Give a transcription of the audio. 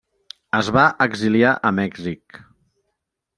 Es va exiliar a Mèxic.